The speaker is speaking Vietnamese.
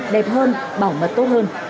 đẹp hơn bảo mật tốt hơn